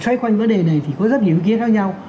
xoay quanh vấn đề này thì có rất nhiều ý kiến khác nhau